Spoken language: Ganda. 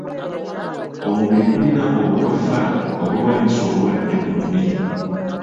Omubiri gulina obutofaali obulwanyisa obulwadde mu mubiri.